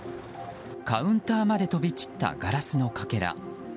カウンターまで飛び散ったガラスのかけら。